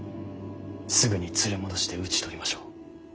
すぐに連れ戻して討ち取りましょう。